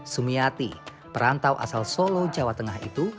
sumiati perantau asal solo jawa tengah itu